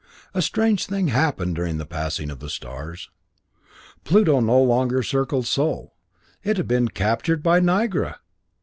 A strange thing had happened during the passing of the stars. Pluto no longer circled Sol; it had been captured by Nigra!